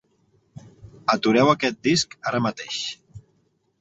Atureu aquest disc ara mateix.